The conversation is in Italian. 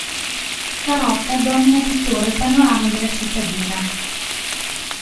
La rocca domina tuttora il panorama della cittadina.